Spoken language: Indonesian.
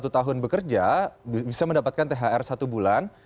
satu tahun bekerja bisa mendapatkan thr satu bulan